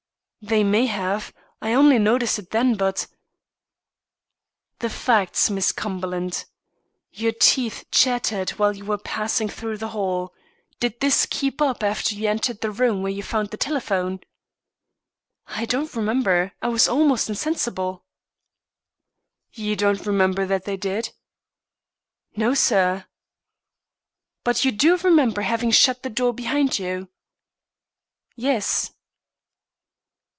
"They may have. I only noticed it then; but " "The facts, Miss Cumberland. Your teeth chattered while you were passing through the hall. Did this keep up after you entered the room where you found the telephone?" "I don't remember; I was almost insensible." "You don't remember that they did?" "No, sir." "But you do remember having shut the door behind you?" "Yes."